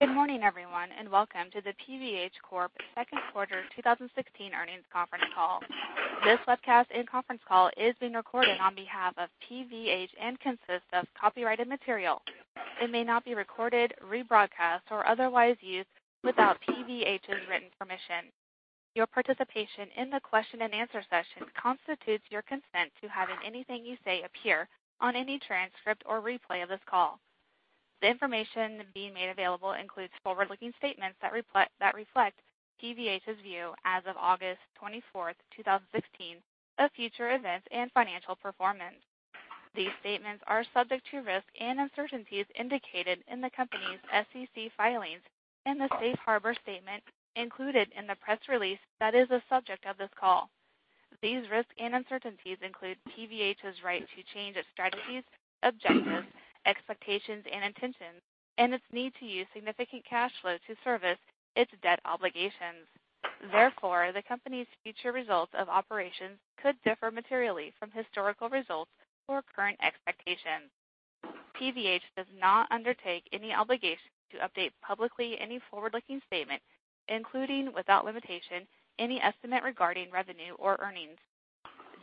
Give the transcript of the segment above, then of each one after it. Good morning, everyone, and welcome to the PVH Corp Second Quarter 2016 Earnings Conference Call. This webcast and conference call is being recorded on behalf of PVH and consists of copyrighted material. It may not be recorded, rebroadcast, or otherwise used without PVH's written permission. Your participation in the question and answer session constitutes your consent to having anything you say appear on any transcript or replay of this call. The information being made available includes forward-looking statements that reflect PVH's view as of August 24th, 2016, of future events and financial performance. These statements are subject to risks and uncertainties indicated in the company's SEC filings and the safe harbor statement included in the press release that is a subject of this call. These risks and uncertainties include PVH's right to change its strategies, objectives, expectations, and intentions, and its need to use significant cash flow to service its debt obligations. Therefore, the company's future results of operations could differ materially from historical results or current expectations. PVH does not undertake any obligation to update publicly any forward-looking statement, including, without limitation, any estimate regarding revenue or earnings.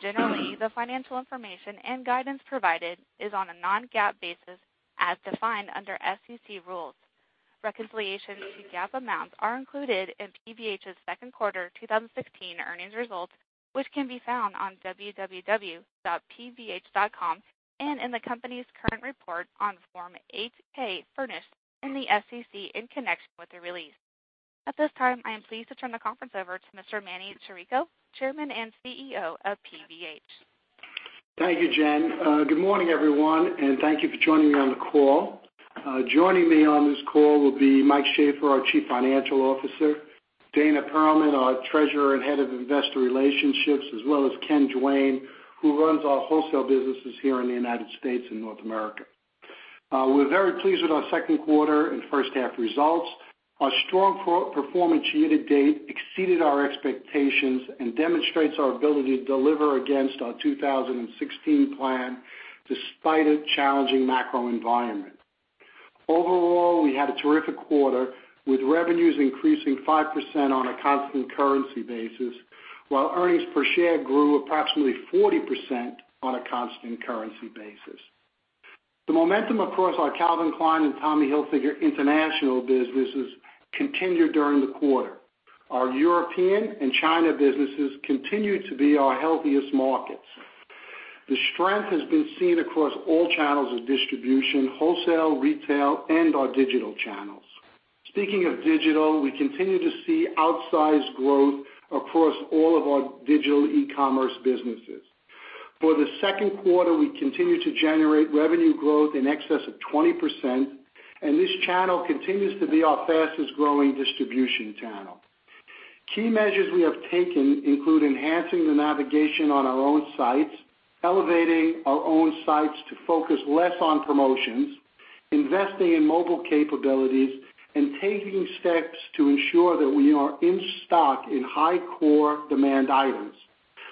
Generally, the financial information and guidance provided is on a non-GAAP basis as defined under SEC rules. Reconciliations to GAAP amounts are included in PVH's second quarter 2016 earnings results, which can be found on www.pvh.com and in the company's current report on Form 8-K Furnish in the SEC in connection with the release. At this time, I am pleased to turn the conference over to Mr. Manny Chirico, Chairman and CEO of PVH. Thank you, Jen. Good morning, everyone, thank you for joining me on the call. Joining me on this call will be Mike Shaffer, our Chief Financial Officer, Dana Perlman, our Treasurer and Head of Investor Relations, as well as Ken Duane, who runs our wholesale businesses here in the U.S. and North America. We're very pleased with our second quarter and first half results. Our strong performance year-to-date exceeded our expectations and demonstrates our ability to deliver against our 2016 plan despite a challenging macro environment. Overall, we had a terrific quarter with revenues increasing 5% on a constant currency basis, while earnings per share grew approximately 40% on a constant currency basis. The momentum across our Calvin Klein and Tommy Hilfiger international businesses continued during the quarter. Our European and China businesses continue to be our healthiest markets. The strength has been seen across all channels of distribution, wholesale, retail, and our digital channels. Speaking of digital, we continue to see outsized growth across all of our digital e-commerce businesses. For the second quarter, we continued to generate revenue growth in excess of 20%, and this channel continues to be our fastest-growing distribution channel. Key measures we have taken include enhancing the navigation on our own sites, elevating our own sites to focus less on promotions, investing in mobile capabilities, and taking steps to ensure that we are in stock in high core demand items,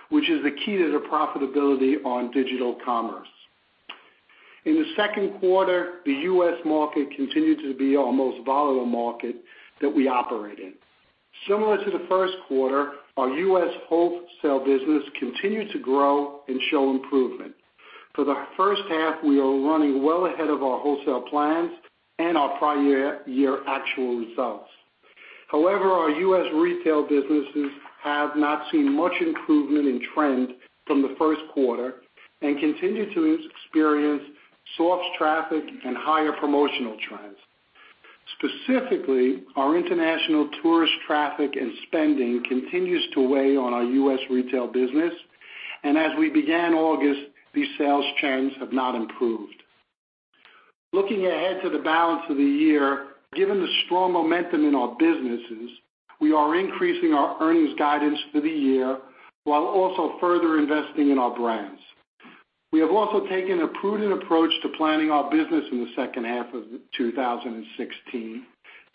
which is the key to the profitability on digital commerce. In the second quarter, the U.S. market continued to be our most volatile market that we operate in. Similar to the first quarter, our U.S. wholesale business continued to grow and show improvement. For the first half, we are running well ahead of our wholesale plans and our prior year actual results. However, our U.S. retail businesses have not seen much improvement in trend from the first quarter and continue to experience soft traffic and higher promotional trends. Specifically, our international tourist traffic and spending continues to weigh on our U.S. retail business, and as we began August, these sales trends have not improved. Looking ahead to the balance of the year, given the strong momentum in our businesses, we are increasing our earnings guidance for the year while also further investing in our brands. We have also taken a prudent approach to planning our business in the second half of 2016,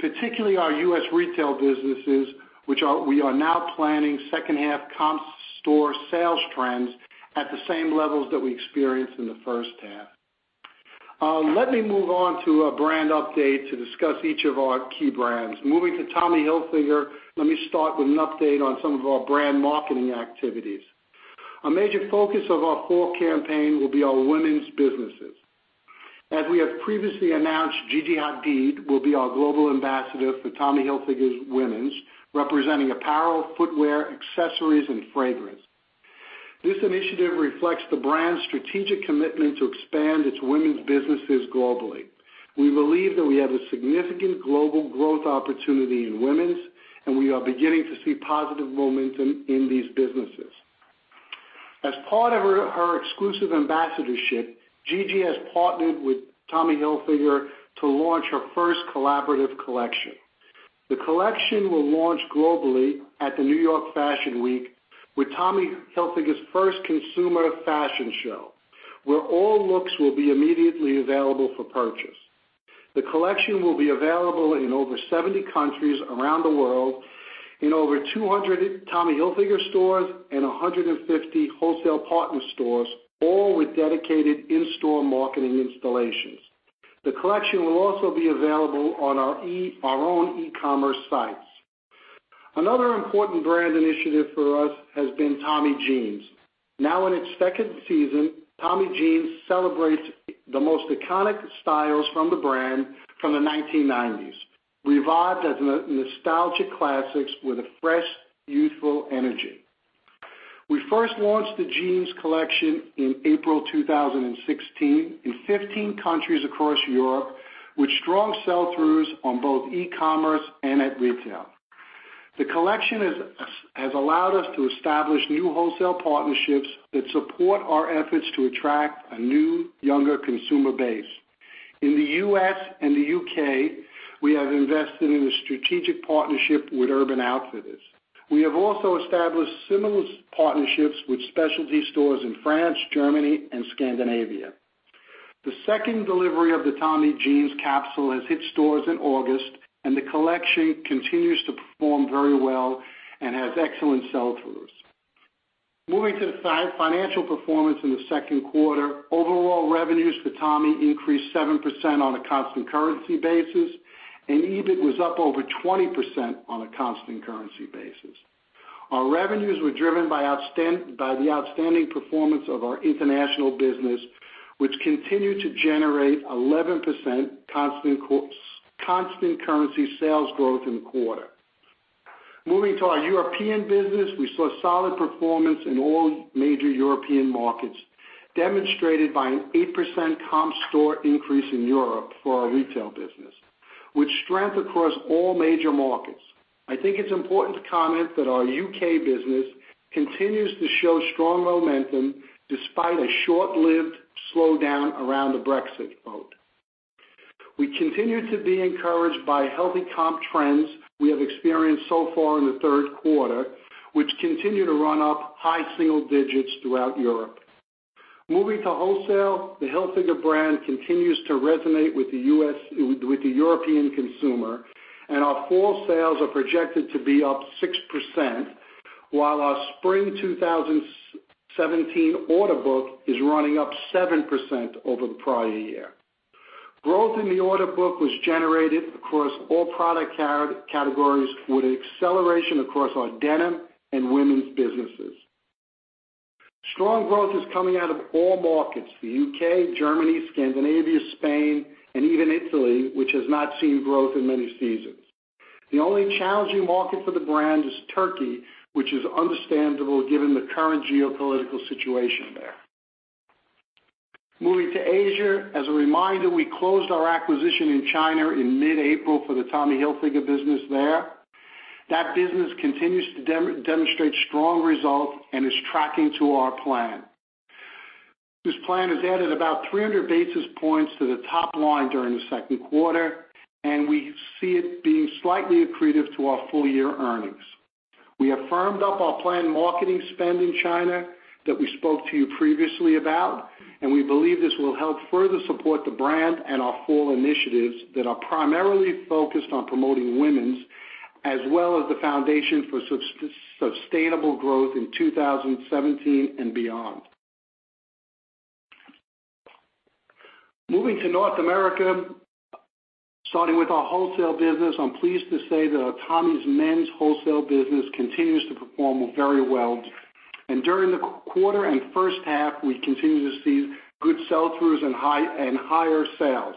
particularly our U.S. retail businesses, which we are now planning second half comp store sales trends at the same levels that we experienced in the first half. Let me move on to a brand update to discuss each of our key brands. Moving to Tommy Hilfiger, let me start with an update on some of our brand marketing activities. A major focus of our fall campaign will be our women's businesses. As we have previously announced, Gigi Hadid will be our global ambassador for Tommy Hilfiger's women's, representing apparel, footwear, accessories, and fragrance. This initiative reflects the brand's strategic commitment to expand its women's businesses globally. We believe that we have a significant global growth opportunity in women's, and we are beginning to see positive momentum in these businesses. As part of her exclusive ambassadorship, Gigi has partnered with Tommy Hilfiger to launch her first collaborative collection. The collection will launch globally at the New York Fashion Week with Tommy Hilfiger's first consumer fashion show, where all looks will be immediately available for purchase. The collection will be available in over 70 countries around the world. In over 200 Tommy Hilfiger stores and 150 wholesale partner stores, all with dedicated in-store marketing installations. The collection will also be available on our own e-commerce sites. Another important brand initiative for us has been Tommy Jeans. Now in its second season, Tommy Jeans celebrates the most iconic styles from the brand from the 1990s, revived as nostalgic classics with a fresh, youthful energy. We first launched the jeans collection in April 2016 in 15 countries across Europe, with strong sell-throughs on both e-commerce and at retail. The collection has allowed us to establish new wholesale partnerships that support our efforts to attract a new, younger consumer base. In the U.S. and the U.K., we have invested in a strategic partnership with Urban Outfitters. We have also established similar partnerships with specialty stores in France, Germany, and Scandinavia. The second delivery of the Tommy Jeans capsule has hit stores in August. The collection continues to perform very well and has excellent sell-throughs. Moving to the financial performance in the second quarter, overall revenues for Tommy increased 7% on a constant currency basis. EBIT was up over 20% on a constant currency basis. Our revenues were driven by the outstanding performance of our international business, which continued to generate 11% constant currency sales growth in the quarter. Moving to our European business, we saw solid performance in all major European markets, demonstrated by an 8% comp store increase in Europe for our retail business, with strength across all major markets. I think it's important to comment that our U.K. business continues to show strong momentum despite a short-lived slowdown around the Brexit vote. We continue to be encouraged by healthy comp trends we have experienced so far in the third quarter, which continue to run up high single digits throughout Europe. Moving to wholesale, the Hilfiger brand continues to resonate with the European consumer, our fall sales are projected to be up 6%, while our spring 2017 order book is running up 7% over the prior year. Growth in the order book was generated across all product categories, with an acceleration across our denim and women's businesses. Strong growth is coming out of all markets, the U.K., Germany, Scandinavia, Spain, and even Italy, which has not seen growth in many seasons. The only challenging market for the brand is Turkey, which is understandable given the current geopolitical situation there. Moving to Asia, as a reminder, we closed our acquisition in China in mid-April for the Tommy Hilfiger business there. That business continues to demonstrate strong results and is tracking to our plan. This plan has added about 300 basis points to the top line during the second quarter, and we see it being slightly accretive to our full-year earnings. We have firmed up our planned marketing spend in China that we spoke to you previously about, and we believe this will help further support the brand and our fall initiatives that are primarily focused on promoting women's, as well as the foundation for sustainable growth in 2017 and beyond. Moving to North America, starting with our wholesale business, I'm pleased to say that Tommy's men's wholesale business continues to perform very well. During the quarter and first half, we continue to see good sell-throughs and higher sales.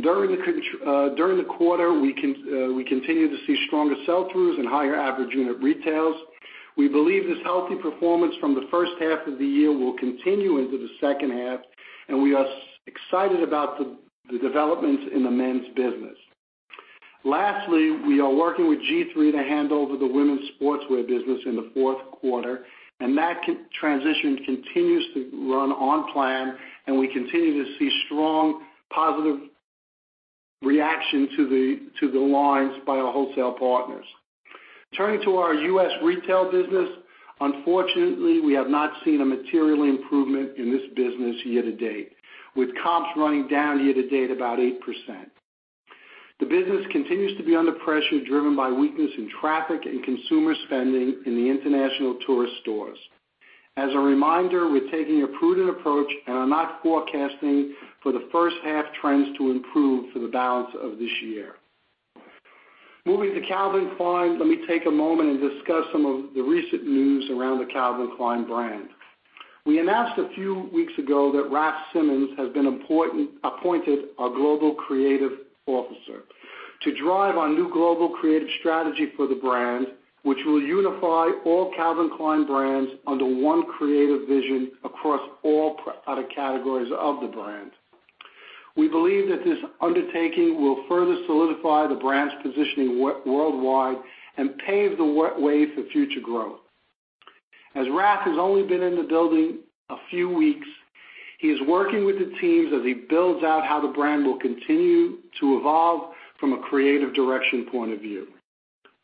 During the quarter, we continue to see stronger sell-throughs and higher average unit retails. We believe this healthy performance from the first half of the year will continue into the second half, and we are excited about the developments in the men's business. Lastly, we are working with G-III to hand over the women's sportswear business in the fourth quarter, and that transition continues to run on plan, and we continue to see strong, positive reaction to the lines by our wholesale partners. Turning to our U.S. retail business, unfortunately, we have not seen a material improvement in this business year to date, with comps running down year to date about 8%. The business continues to be under pressure, driven by weakness in traffic and consumer spending in the international tourist stores. As a reminder, we're taking a prudent approach and are not forecasting for the first half trends to improve for the balance of this year. Moving to Calvin Klein, let me take a moment and discuss some of the recent news around the Calvin Klein brand. We announced a few weeks ago that Raf Simons has been appointed our global creative officer to drive our new global creative strategy for the brand, which will unify all Calvin Klein brands under one creative vision across all product categories of the brand. We believe that this undertaking will further solidify the brand's positioning worldwide and pave the way for future growth. As Raf has only been in the building a few weeks, he is working with the teams as he builds out how the brand will continue to evolve from a creative direction point of view.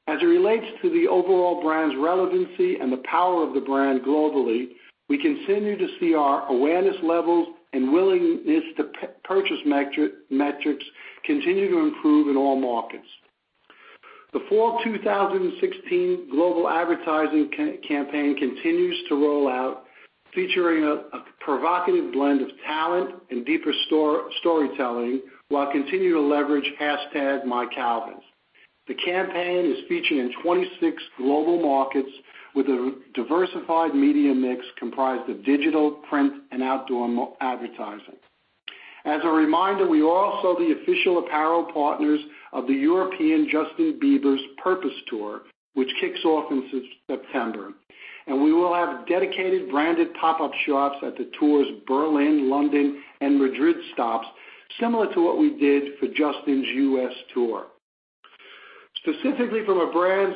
As it relates to the overall brand's relevancy and the power of the brand globally. We continue to see our awareness levels and willingness to purchase metrics continue to improve in all markets. The fall 2016 global advertising campaign continues to roll out, featuring a provocative blend of talent and deeper storytelling, while continuing to leverage hashtag MyCalvins. The campaign is featuring in 26 global markets with a diversified media mix comprised of digital, print, and outdoor advertising. As a reminder, we are also the official apparel partners of the European Justin Bieber's Purpose tour, which kicks off in September. We will have dedicated branded pop-up shops at the tour's Berlin, London, and Madrid stops, similar to what we did for Justin's U.S. tour. Specifically from a brand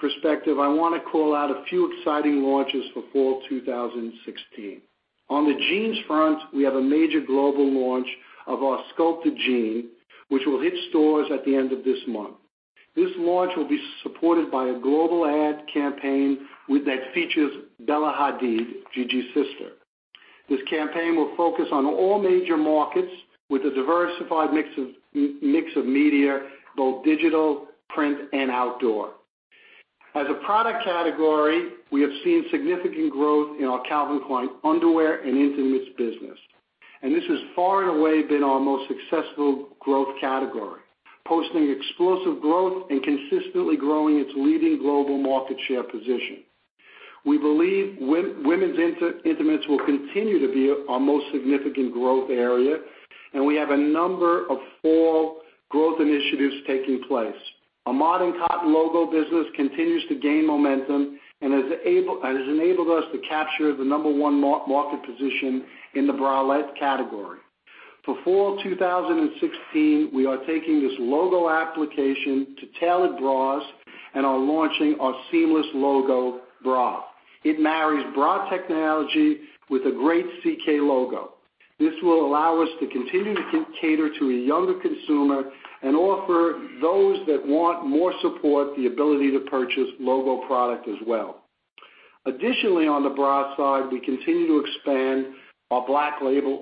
perspective, I want to call out a few exciting launches for fall 2016. On the jeans front, we have a major global launch of our Sculpted Jean, which will hit stores at the end of this month. This launch will be supported by a global ad campaign that features Bella Hadid, Gigi's sister. This campaign will focus on all major markets with a diversified mix of media, both digital, print, and outdoor. As a product category, we have seen significant growth in our Calvin Klein underwear and intimates business. This has far and away been our most successful growth category, posting explosive growth and consistently growing its leading global market share position. We believe women's intimates will continue to be our most significant growth area, and we have a number of fall growth initiatives taking place. Our modern cotton logo business continues to gain momentum and has enabled us to capture the number 1 market position in the bralette category. For fall 2016, we are taking this logo application to tailored bras and are launching our seamless logo bra. It marries bra technology with a great CK logo. This will allow us to continue to cater to a younger consumer and offer those that want more support the ability to purchase logo product as well. Additionally, on the bra side, we continue to expand our Black Label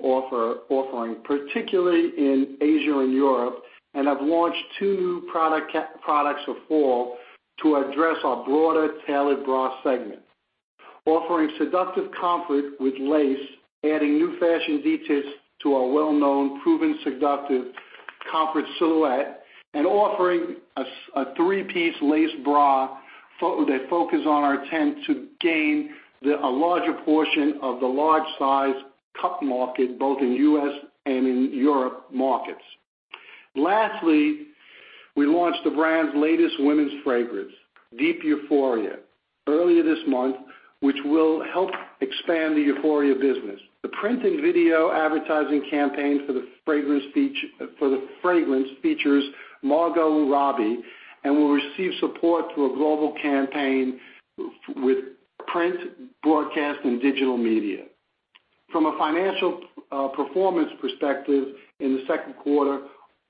offering, particularly in Asia and Europe, and have launched two new products for fall to address our broader tailored bra segment. Offering Seductive Comfort with lace, adding new fashion details to our well-known, proven Seductive Comfort silhouette, and offering a three-piece lace bra that focus on our attempt to gain a larger portion of the large size cup market, both in U.S. and in Europe markets. Lastly, we launched the brand's latest women's fragrance, Deep Euphoria, earlier this month, which will help expand the Euphoria business. The print and video advertising campaign for the fragrance features Margot Robbie and will receive support through a global campaign with print, broadcast, and digital media. From a financial performance perspective in the second quarter,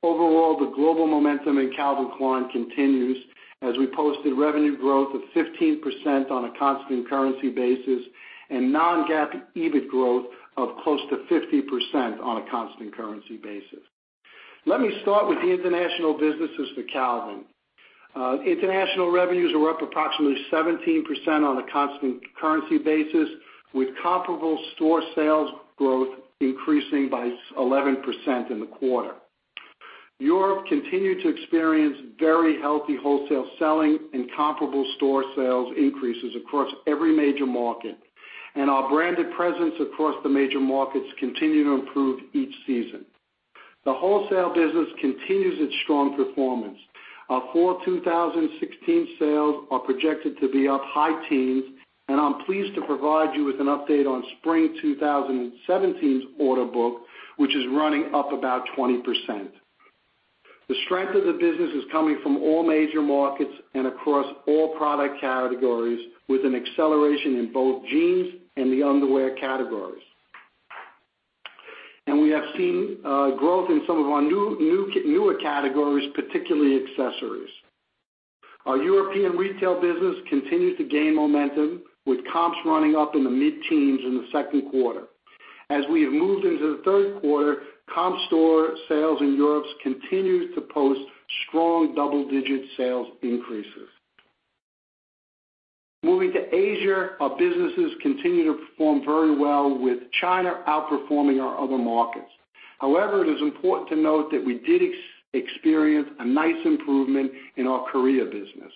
overall, the global momentum in Calvin Klein continues as we posted revenue growth of 15% on a constant currency basis and non-GAAP EBIT growth of close to 50% on a constant currency basis. Let me start with the international businesses for Calvin. International revenues were up approximately 17% on a constant currency basis, with comparable store sales growth increasing by 11% in the quarter. Europe continued to experience very healthy wholesale selling and comparable store sales increases across every major market. Our branded presence across the major markets continue to improve each season. The wholesale business continues its strong performance. Our fall 2016 sales are projected to be up high teens. I am pleased to provide you with an update on spring 2017's order book, which is running up about 20%. The strength of the business is coming from all major markets and across all product categories, with an acceleration in both jeans and the underwear categories. We have seen growth in some of our newer categories, particularly accessories. Our European retail business continues to gain momentum, with comps running up in the mid-teens in the second quarter. As we have moved into the third quarter, comp store sales in Europe continues to post strong double-digit sales increases. Moving to Asia, our businesses continue to perform very well with China outperforming our other markets. However, it is important to note that we did experience a nice improvement in our Korea business.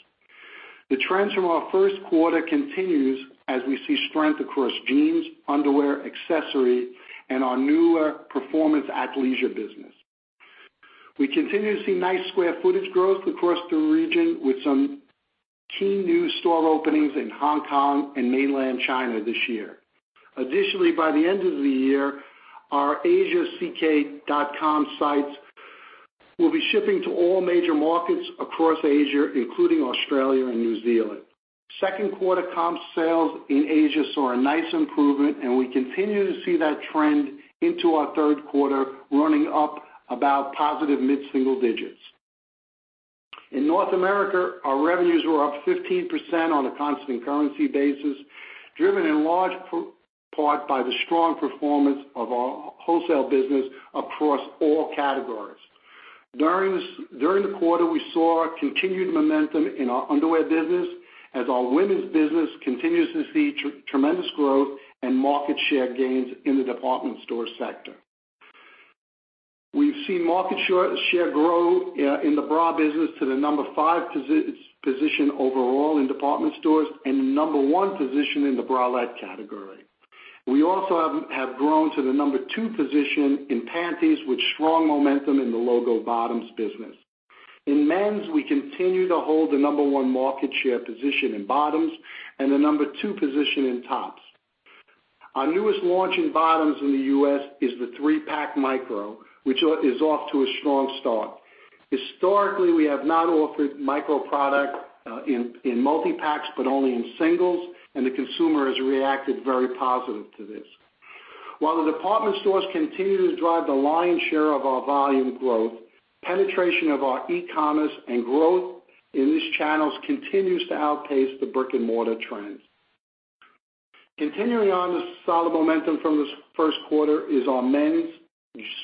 The trends from our first quarter continues as we see strength across jeans, underwear, accessories, and our newer performance athleisure business. We continue to see nice square footage growth across the region with some key new store openings in Hong Kong and mainland China this year. Additionally, by the end of the year, our Asia ck.com sites will be shipping to all major markets across Asia, including Australia and New Zealand. Second quarter comp sales in Asia saw a nice improvement, and we continue to see that trend into our third quarter running up about positive mid-single digits. In North America, our revenues were up 15% on a constant currency basis, driven in large part by the strong performance of our wholesale business across all categories. During the quarter, we saw continued momentum in our underwear business as our women's business continues to see tremendous growth and market share gains in the department store sector. We have seen market share grow in the bra business to the number 5 position overall in department stores and the number 1 position in the bralette category. We also have grown to the number 2 position in panties with strong momentum in the logo bottoms business. In men's, we continue to hold the number 1 market share position in bottoms and the number 2 position in tops. Our newest launch in bottoms in the U.S. is the three-pack micro, which is off to a strong start. Historically, we have not offered micro product in multi-packs, but only in singles, and the consumer has reacted very positive to this. While the department stores continue to drive the lion's share of our volume growth, penetration of our e-commerce and growth in these channels continues to outpace the brick-and-mortar trends. Continuing on the solid momentum from the first quarter is our men's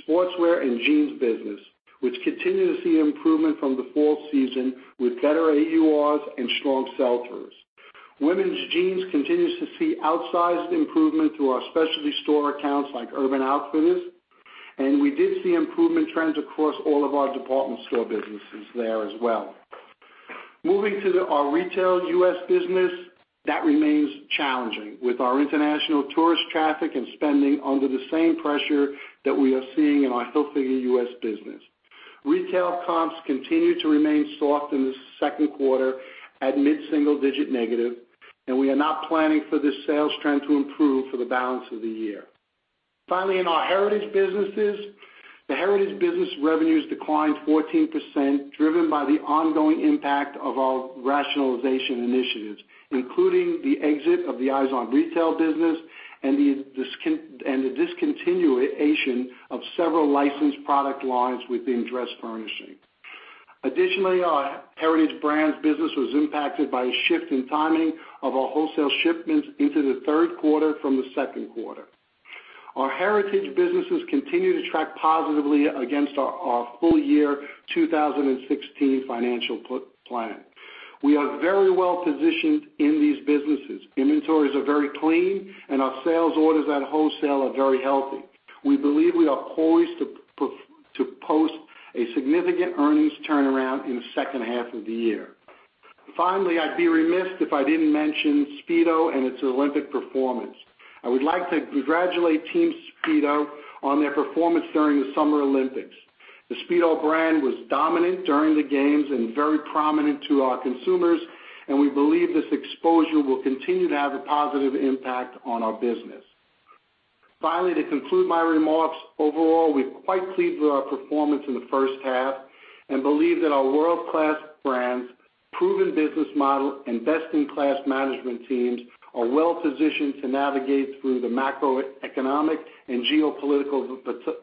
sportswear and jeans business, which continue to see improvement from the fall season with better AURs and strong sell-throughs. Women's jeans continues to see outsized improvement through our specialty store accounts like Urban Outfitters, and we did see improvement trends across all of our department store businesses there as well. Moving to our retail U.S. business, that remains challenging with our international tourist traffic and spending under the same pressure that we are seeing in our Hilfiger U.S. business. Retail comps continue to remain soft in the second quarter at mid-single digit negative. We are not planning for this sales trend to improve for the balance of the year. Finally, in our heritage businesses, the heritage business revenues declined 14%, driven by the ongoing impact of our rationalization initiatives, including the exit of the Izod retail business and the discontinuation of several licensed product lines within dress furnishings. Our heritage brands business was impacted by a shift in timing of our wholesale shipments into the third quarter from the second quarter. Our heritage businesses continue to track positively against our full year 2016 financial plan. We are very well positioned in these businesses. Inventories are very clean. Our sales orders at wholesale are very healthy. We believe we are poised to post a significant earnings turnaround in the second half of the year. I'd be remiss if I didn't mention Speedo and its Olympic performance. I would like to congratulate Team Speedo on their performance during the Summer Olympics. The Speedo brand was dominant during the games and very prominent to our consumers. We believe this exposure will continue to have a positive impact on our business. To conclude my remarks, overall, we're quite pleased with our performance in the first half and believe that our world-class brands, proven business model, and best-in-class management teams are well positioned to navigate through the macroeconomic and geopolitical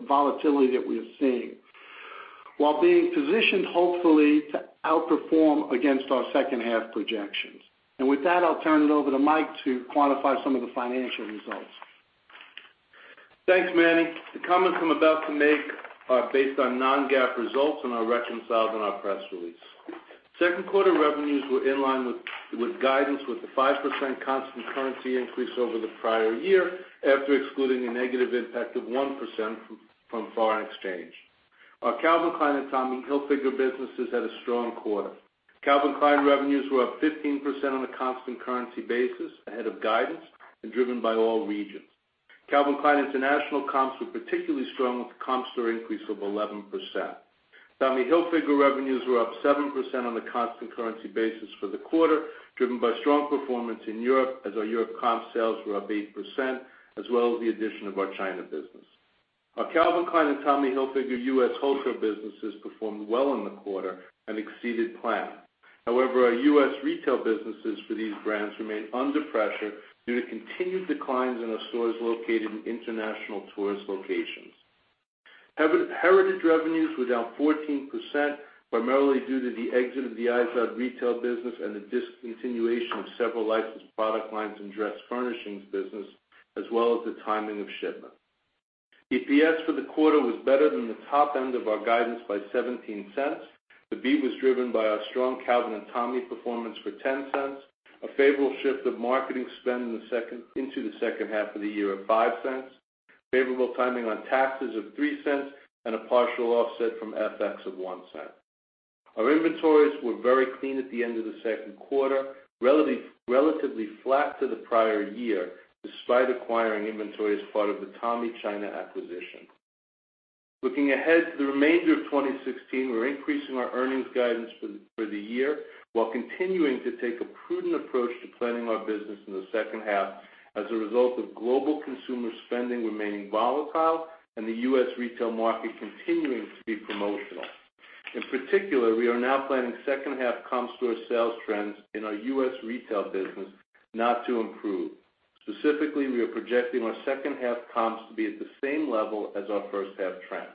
volatility that we are seeing while being positioned, hopefully, to outperform against our second half projections. With that, I'll turn it over to Mike to quantify some of the financial results. Thanks, Manny. The comments I'm about to make are based on non-GAAP results and are reconciled in our press release. Second quarter revenues were in line with guidance, with a 5% constant currency increase over the prior year after excluding a negative impact of 1% from foreign exchange. Our Calvin Klein and Tommy Hilfiger businesses had a strong quarter. Calvin Klein revenues were up 15% on a constant currency basis, ahead of guidance, driven by all regions. Calvin Klein international comps were particularly strong with a comp store increase of 11%. Tommy Hilfiger revenues were up 7% on a constant currency basis for the quarter, driven by strong performance in Europe as our Europe comp sales were up 8%, as well as the addition of our China business. Our Calvin Klein and Tommy Hilfiger U.S. wholesale businesses performed well in the quarter and exceeded plan. Our U.S. retail businesses for these brands remain under pressure due to continued declines in our stores located in international tourist locations. Heritage revenues were down 14%, primarily due to the exit of the Eyes On retail business and the discontinuation of several licensed product lines in dress furnishings business, as well as the timing of shipment. EPS for the quarter was better than the top end of our guidance by $0.17. The beat was driven by our strong Calvin and Tommy performance for $0.10, a favorable shift of marketing spend into the second half of the year of $0.05, favorable timing on taxes of $0.03, a partial offset from FX of $0.01. Our inventories were very clean at the end of the second quarter, relatively flat to the prior year, despite acquiring inventory as part of the Tommy China acquisition. Looking ahead to the remainder of 2016, we're increasing our earnings guidance for the year while continuing to take a prudent approach to planning our business in the second half as a result of global consumer spending remaining volatile and the U.S. retail market continuing to be promotional. In particular, we are now planning second half comp store sales trends in our U.S. retail business not to improve. Specifically, we are projecting our second half comps to be at the same level as our first half trends.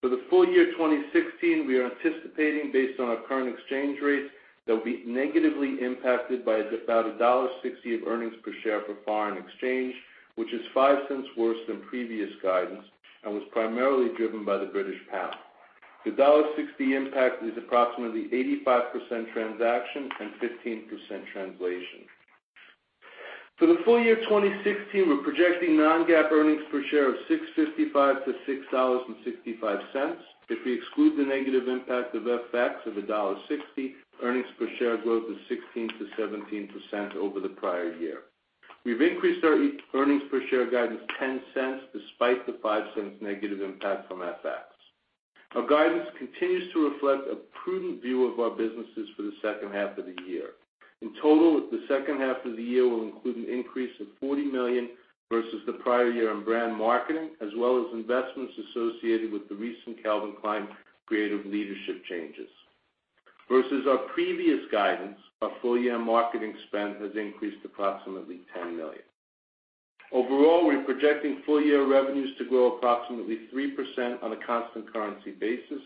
For the full year 2016, we are anticipating, based on our current exchange rates, that we'll be negatively impacted by about $1.60 of earnings per share for foreign exchange, which is $0.05 worse than previous guidance and was primarily driven by the British pound. The $1.60 impact is approximately 85% transaction and 15% translation. For the full year 2016, we're projecting non-GAAP earnings per share of $6.55-$6.65. If we exclude the negative impact of FX of $1.60, earnings per share growth is 16%-17% over the prior year. We've increased our earnings per share guidance $0.10 despite the $0.05 negative impact from FX. Our guidance continues to reflect a prudent view of our businesses for the second half of the year. In total, the second half of the year will include an increase of $40 million versus the prior year on brand marketing, as well as investments associated with the recent Calvin Klein creative leadership changes. Versus our previous guidance, our full-year marketing spend has increased approximately $10 million. Overall, we're projecting full-year revenues to grow approximately 3% on a constant currency basis.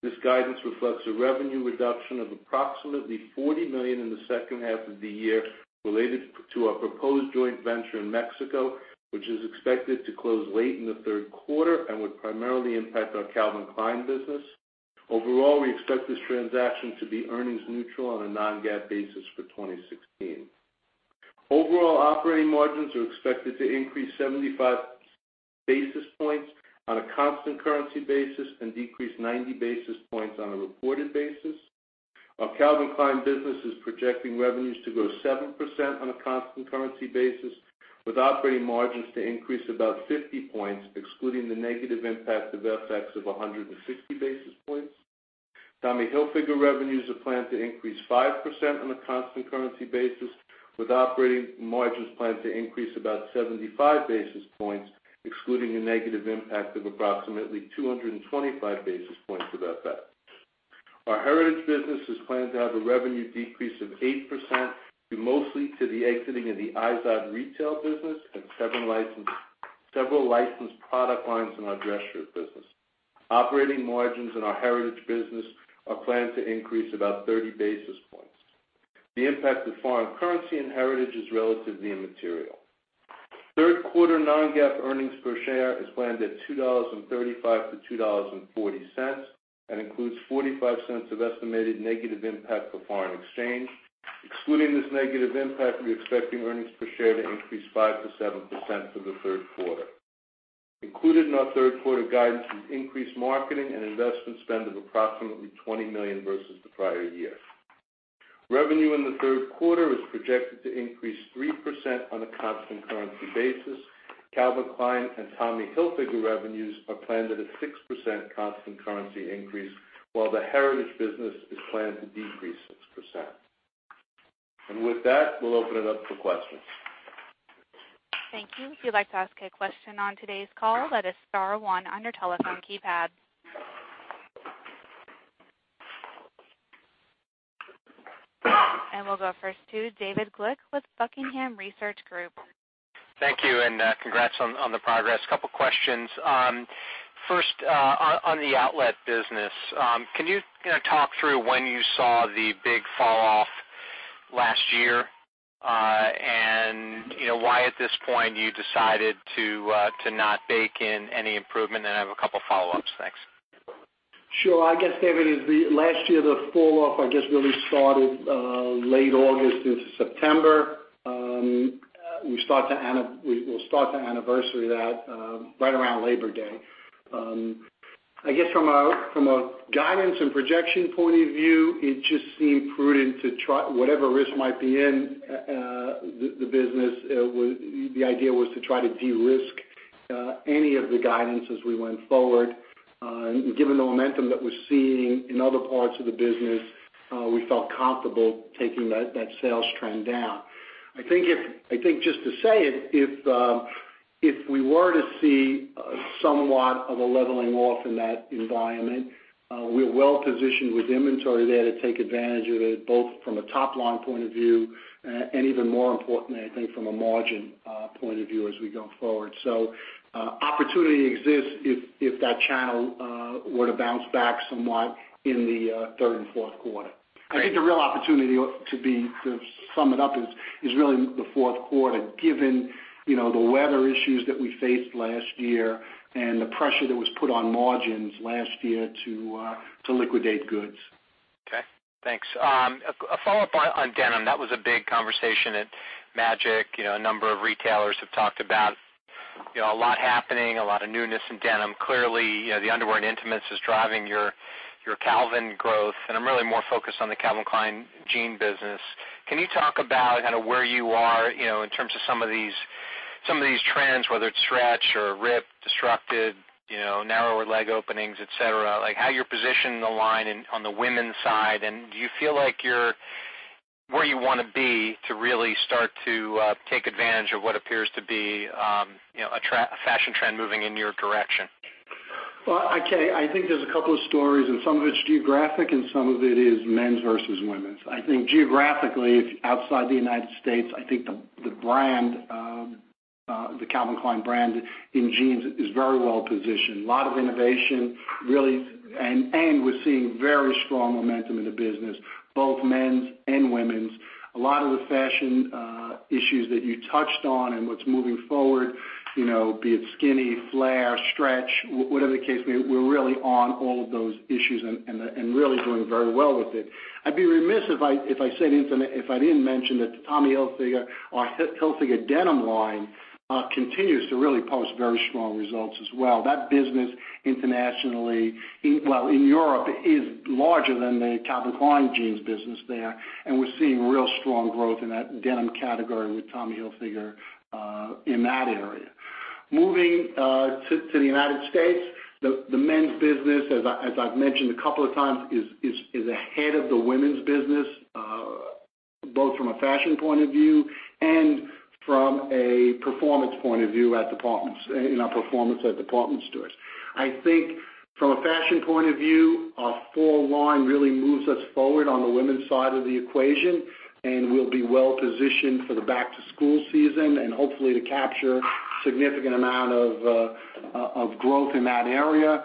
This guidance reflects a revenue reduction of approximately $40 million in the second half of the year related to our proposed joint venture in Mexico, which is expected to close late in the third quarter and would primarily impact our Calvin Klein business. Overall, we expect this transaction to be earnings neutral on a non-GAAP basis for 2016. Overall operating margins are expected to increase 75 basis points on a constant currency basis and decrease 90 basis points on a reported basis. Our Calvin Klein business is projecting revenues to grow 7% on a constant currency basis, with operating margins to increase about 50 points, excluding the negative impact of FX of 160 basis points. Tommy Hilfiger revenues are planned to increase 5% on a constant currency basis, with operating margins planned to increase about 75 basis points, excluding a negative impact of approximately 225 basis points of FX. Our Heritage business is planned to have a revenue decrease of 8%, due mostly to the exiting of the IZOD retail business and several licensed product lines in our dress shirt business. Operating margins in our Heritage business are planned to increase about 30 basis points. The impact of foreign currency in Heritage is relatively immaterial. Third quarter non-GAAP earnings per share is planned at $2.35-$2.40 and includes $0.45 of estimated negative impact for foreign exchange. Excluding this negative impact, we're expecting earnings per share to increase 5%-7% for the third quarter. Included in our third quarter guidance is increased marketing and investment spend of approximately $20 million versus the prior year. Revenue in the third quarter is projected to increase 3% on a constant currency basis. Calvin Klein and Tommy Hilfiger revenues are planned at a 6% constant currency increase, while the Heritage business is planned to decrease 6%. With that, we'll open it up for questions. Thank you. If you'd like to ask a question on today's call, that is star one on your telephone keypad. We'll go first to David Glick with Buckingham Research Group. Thank you, congrats on the progress. Couple questions. First, on the outlet business, can you talk through when you saw the big fall-off last year? Why at this point you decided to not bake in any improvement? I have a couple of follow-ups. Thanks. Sure. I guess, David, last year the fall-off, I guess, really started late August into September. We will start to anniversary that right around Labor Day. I guess from a guidance and projection point of view, it just seemed prudent to try, whatever risk might be in the business, the idea was to try to de-risk any of the guidance as we went forward. Given the momentum that we're seeing in other parts of the business, we felt comfortable taking that sales trend down. I think just to say, if we were to see somewhat of a leveling off in that environment, we're well-positioned with inventory there to take advantage of it, both from a top-line point of view and even more importantly, I think, from a margin point of view as we go forward. Opportunity exists if that channel were to bounce back somewhat in the third and fourth quarter. I think the real opportunity to sum it up is really the fourth quarter, given the weather issues that we faced last year and the pressure that was put on margins last year to liquidate goods. Okay. Thanks. A follow-up on denim. That was a big conversation at MAGIC. A number of retailers have talked about a lot happening, a lot of newness in denim. Clearly, the underwear and intimates is driving your Calvin growth, and I'm really more focused on the Calvin Klein jean business. Can you talk about where you are in terms of some of these trends, whether it's stretch or rip, destructive, narrower leg openings, et cetera? How you're positioning the line on the women's side, and do you feel like you're where you wanna be to really start to take advantage of what appears to be a fashion trend moving in your direction? I think there's a couple of stories, and some of it's geographic and some of it is men's versus women's. I think geographically, outside the U.S., I think the Calvin Klein brand in jeans is very well-positioned. A lot of innovation, really, and we're seeing very strong momentum in the business, both men's and women's. A lot of the fashion issues that you touched on and what's moving forward, be it skinny, flare, stretch, whatever the case may, we're really on all of those issues and really doing very well with it. I'd be remiss if I didn't mention that the Tommy Hilfiger or Hilfiger Denim line continues to really post very strong results as well. That business internationally, well, in Europe, is larger than the Calvin Klein jeans business there, and we're seeing real strong growth in that denim category with Tommy Hilfiger in that area. Moving to the U.S., the men's business, as I've mentioned a couple of times, is ahead of the women's business, both from a fashion point of view and from a performance point of view in our performance at department stores. I think from a fashion point of view, our fall line really moves us forward on the women's side of the equation, and we'll be well-positioned for the back-to-school season and hopefully to capture a significant amount of growth in that area.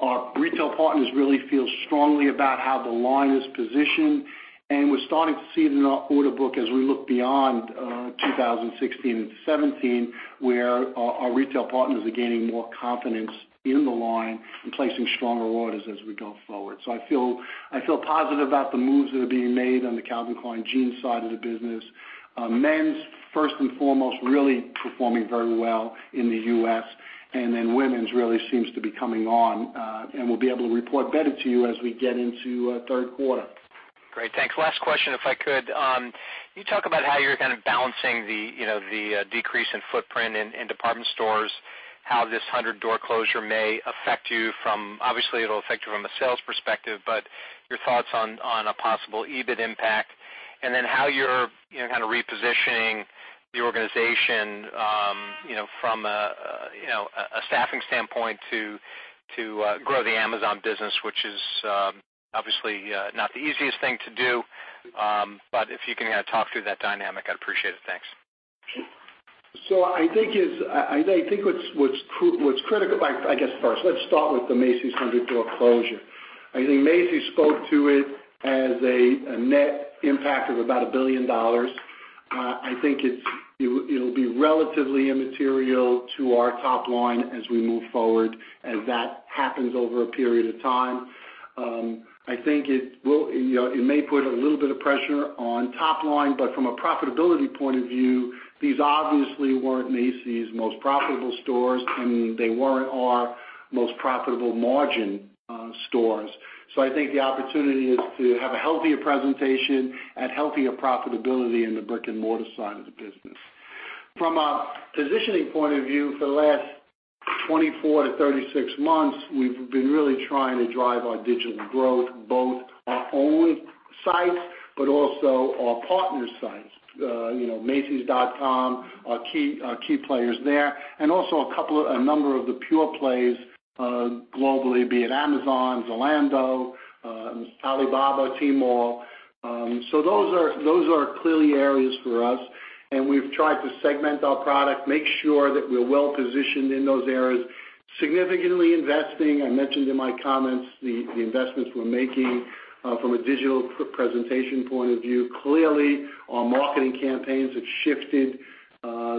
Our retail partners really feel strongly about how the line is positioned, and we're starting to see it in our order book as we look beyond 2016 and 2017, where our retail partners are gaining more confidence in the line and placing stronger orders as we go forward. I feel positive about the moves that are being made on the Calvin Klein jeans side of the business. Men's, first and foremost, really performing very well in the U.S., and then women's really seems to be coming on, and we'll be able to report better to you as we get into third quarter. Great, thanks. Last question, if I could. Can you talk about how you're kind of balancing the decrease in footprint in department stores, how this 100-door closure may affect you from-- obviously, it'll affect you from a sales perspective, but your thoughts on a possible EBIT impact. How you're repositioning the organization from a staffing standpoint to grow the Amazon business, which is obviously not the easiest thing to do. If you can talk through that dynamic, I'd appreciate it. Thanks. I guess first, let's start with the Macy's 100-door closure. I think Macy's spoke to it as a net impact of about $1 billion. I think it'll be relatively immaterial to our top line as we move forward as that happens over a period of time. I think it may put a little bit of pressure on top line, but from a profitability point of view, these obviously weren't Macy's most profitable stores, and they weren't our most profitable margin stores. I think the opportunity is to have a healthier presentation and healthier profitability in the brick-and-mortar side of the business. From a positioning point of view, for the last 24 to 36 months, we've been really trying to drive our digital growth, both our own sites, but also our partners' sites. Macy's.com are key players there, and also a number of the pure plays globally, be it Amazon, Zalando, Alibaba, Tmall. Those are clearly areas for us, and we've tried to segment our product, make sure that we're well-positioned in those areas, significantly investing. I mentioned in my comments the investments we're making from a digital presentation point of view. Clearly, our marketing campaigns have shifted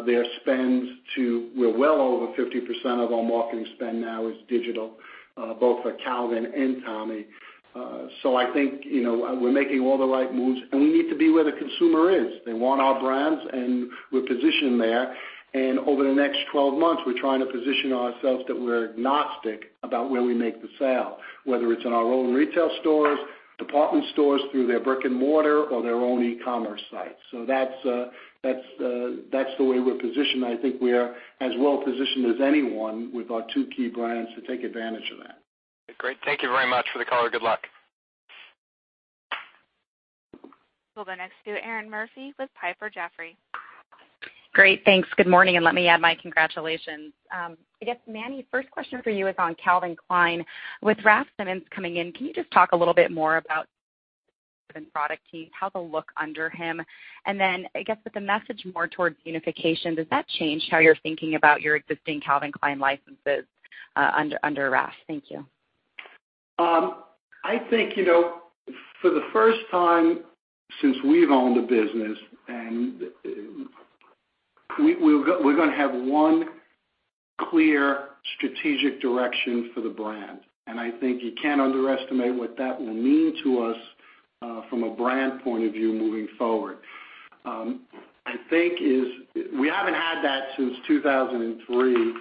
their spends to-- we're well over 50% of our marketing spend now is digital, both for Calvin and Tommy. I think we're making all the right moves, and we need to be where the consumer is. They want our brands, and we're positioned there. Over the next 12 months, we're trying to position ourselves that we're agnostic about where we make the sale, whether it's in our own retail stores, department stores through their brick-and-mortar, or their own e-commerce sites. That's the way we're positioned. I think we are as well-positioned as anyone with our two key brands to take advantage of that. Great. Thank you very much for the color. Good luck. We'll go next to Erinn Murphy with Piper Jaffray. Great. Thanks. Good morning. Let me add my congratulations. I guess, Manny, first question for you is on Calvin Klein. With Raf Simons coming in, can you just talk a little bit more about the product team, how they'll look under him? I guess with the message more towards unification, does that change how you're thinking about your existing Calvin Klein licenses under Raf? Thank you. I think, for the first time since we've owned the business, we're gonna have one clear strategic direction for the brand, and I think you can't underestimate what that will mean to us from a brand point of view moving forward. I think we haven't had that since 2003,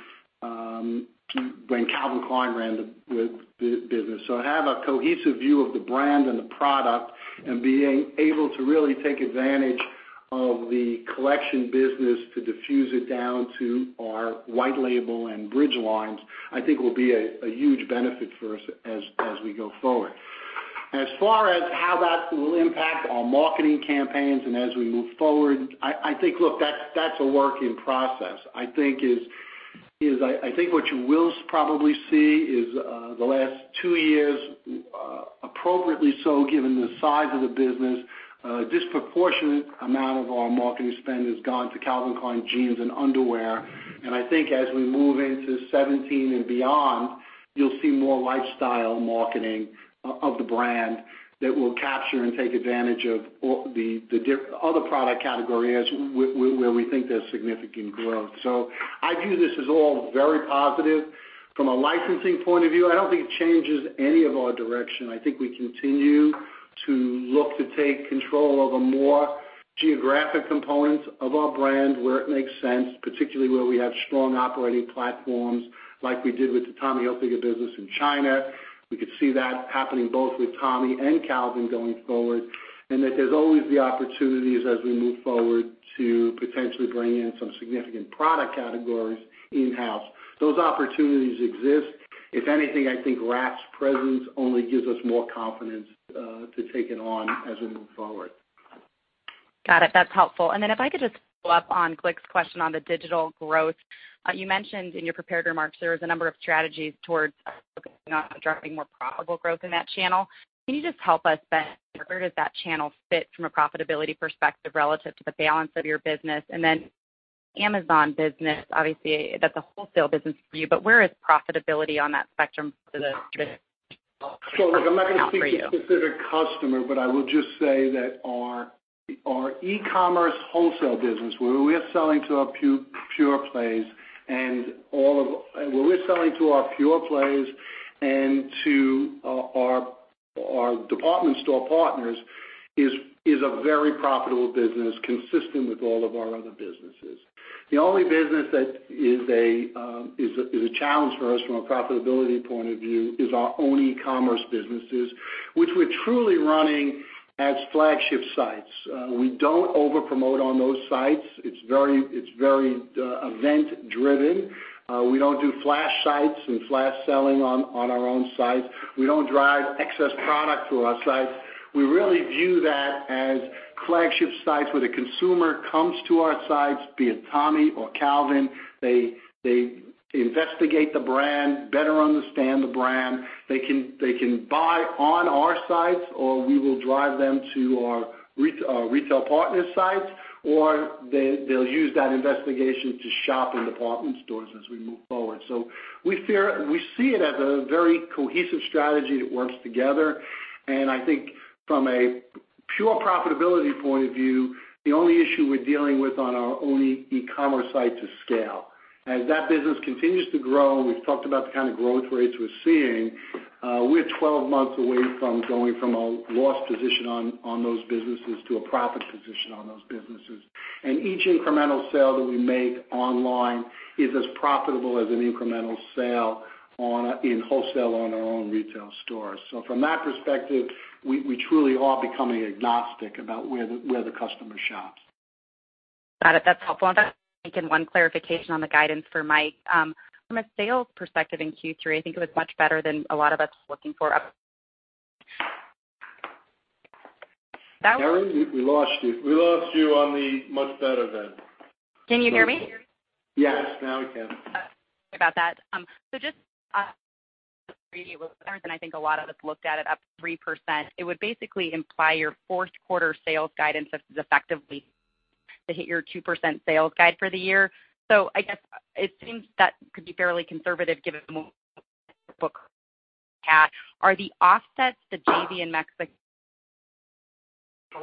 when Calvin Klein ran the business. Have a cohesive view of the brand and the product and being able to really take advantage of the collection business to diffuse it down to our white label and bridge lines, I think will be a huge benefit for us as we go forward. As far as how that will impact our marketing campaigns and as we move forward, I think that's a work in process. I think what you will probably see is, the last two years, appropriately so given the size of the business, a disproportionate amount of our marketing spend has gone to Calvin Klein jeans and underwear. I think as we move into 2017 and beyond, you'll see more lifestyle marketing of the brand that will capture and take advantage of the other product category where we think there's significant growth. I view this as all very positive. From a licensing point of view, I don't think it changes any of our direction. I think we continue to look to take control over more geographic components of our brand where it makes sense, particularly where we have strong operating platforms, like we did with the Tommy Hilfiger business in China. We could see that happening both with Tommy and Calvin going forward, that there's always the opportunities as we move forward to potentially bring in some significant product categories in-house. Those opportunities exist. If anything, I think Raf's presence only gives us more confidence to take it on as we move forward. Got it. That's helpful. If I could just follow up on Glick's question on the digital growth. You mentioned in your prepared remarks there was a number of strategies towards driving more profitable growth in that channel. Can you just help us better, where does that channel fit from a profitability perspective relative to the balance of your business? Amazon business, obviously that's a wholesale business for you, but where is profitability on that spectrum for you? Look, I'm not going to speak to a specific customer, I will just say that our e-commerce wholesale business, where we are selling to our pure plays and to our department store partners, is a very profitable business consistent with all of our other businesses. The only business that is a challenge for us from a profitability point of view is our own e-commerce businesses, which we're truly running as flagship sites. We don't over-promote on those sites. It's very event-driven. We don't do flash sites and flash selling on our own sites. We don't drive excess product to our sites. We really view that as flagship sites where the consumer comes to our sites, be it Tommy or Calvin. They investigate the brand, better understand the brand. They can buy on our sites, we will drive them to our retail partner sites, or they'll use that investigation to shop in department stores as we move forward. We see it as a very cohesive strategy that works together, I think from a pure profitability point of view, the only issue we're dealing with on our own e-commerce site is scale. As that business continues to grow, we've talked about the kind of growth rates we're seeing, we're 12 months away from going from a loss position on those businesses to a profit position on those businesses. Each incremental sale that we make online is as profitable as an incremental sale in wholesale on our own retail stores. From that perspective, we truly are becoming agnostic about where the customer shops. Got it. That's helpful. If I can, one clarification on the guidance for Mike. From a sales perspective in Q3, I think it was much better than a lot of us were looking for. Erinn, we lost you. We lost you on the much better then. Can you hear me? Yes, now we can. Sorry about that. Just and I think a lot of us looked at it up 3%. It would basically imply your fourth quarter sales guidance is effectively to hit your 2% sales guide for the year. I guess it seems that could be fairly conservative given the book had. Are the offsets the JV in Mexi- Yeah,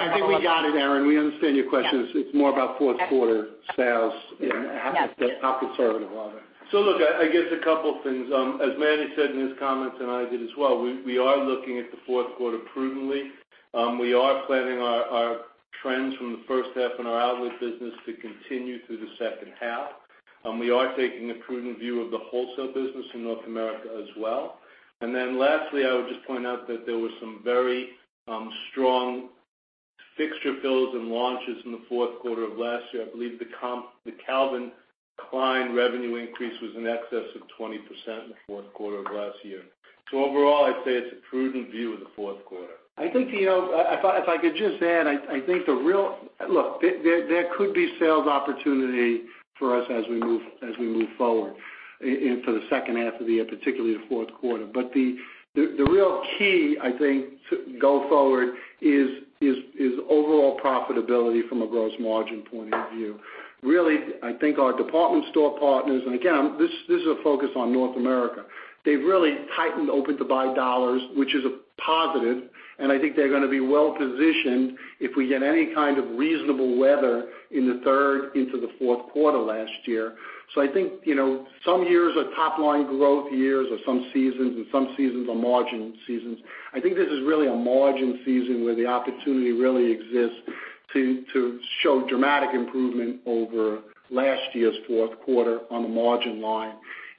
I think we got it, Erinn. We understand your question. It's more about fourth quarter sales and- Yes how conservative are they. Look, I guess a couple things. As Manny said in his comments, and I did as well, we are looking at the fourth quarter prudently. We are planning our trends from the first half in our outlet business to continue through the second half. We are taking a prudent view of the wholesale business in North America as well. Lastly, I would just point out that there were some very strong fixture builds and launches in the fourth quarter of last year. I believe the Calvin Klein revenue increase was in excess of 20% in the fourth quarter of last year. Overall, I'd say it's a prudent view of the fourth quarter. I think, if I could just add, look, there could be sales opportunity for us as we move forward into the second half of the year, particularly the fourth quarter. The real key, I think, to go forward is overall profitability from a gross margin point of view. Really, I think our department store partners, and again, this is a focus on North America, they've really tightened open-to-buy dollars, which is a positive, and I think they're going to be well-positioned if we get any kind of reasonable weather in the third into the fourth quarter last year. I think some years are top-line growth years or some seasons, and some seasons are margin seasons. I think this is really a margin season where the opportunity really exists to show dramatic improvement over last year's fourth quarter on the margin line.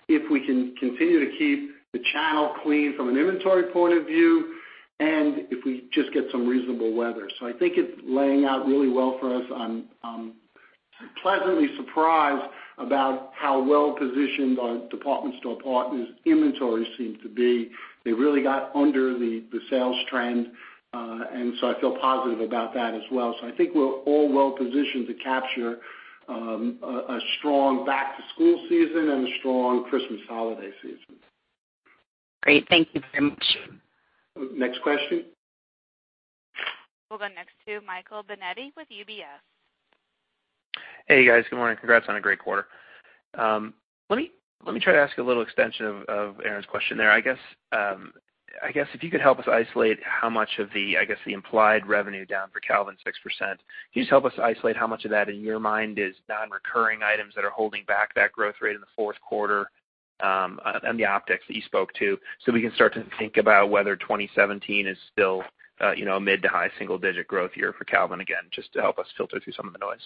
If we can continue to keep the channel clean from an inventory point of view. If we just get some reasonable weather. I think it's laying out really well for us. I'm pleasantly surprised about how well-positioned our department store partners' inventory seems to be. They really got under the sales trend. I feel positive about that as well. I think we're all well-positioned to capture a strong back-to-school season and a strong Christmas holiday season. Great. Thank you very much. Next question. We'll go next to Michael Binetti with UBS. Hey, guys. Good morning. Congrats on a great quarter. Let me try to ask a little extension of Erinn's question there. I guess, if you could help us isolate how much of the, I guess the implied revenue down for Calvin, 6%. Can you just help us isolate how much of that, in your mind, is non-recurring items that are holding back that growth rate in the fourth quarter, and the optics that you spoke to, so we can start to think about whether 2017 is still a mid to high single-digit growth year for Calvin again? Just to help us filter through some of the noise.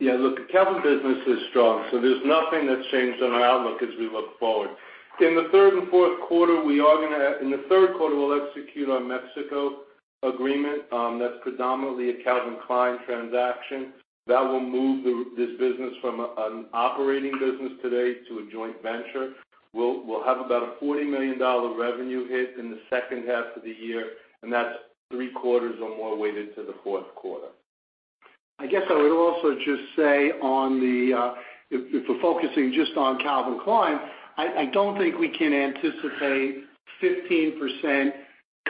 Yeah, look, the Calvin business is strong. There's nothing that's changed on our outlook as we look forward. In the third quarter, we'll execute our Mexico agreement. That's predominantly a Calvin Klein transaction. That will move this business from an operating business today to a joint venture. We'll have about a $40 million revenue hit in the second half of the year, and that's three quarters or more weighted to the fourth quarter. I guess I would also just say, if we're focusing just on Calvin Klein, I don't think we can anticipate 15%